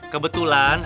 sampai di sini